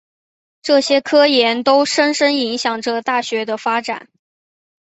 这些科研都深深影响着大学的发展。